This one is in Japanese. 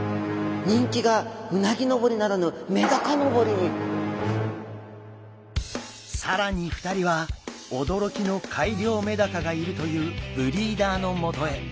人気が更に２人は驚きの改良メダカがいるというブリーダーのもとへ。